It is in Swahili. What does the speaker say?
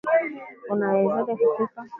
Unawezaje kupika mkate viazi lishe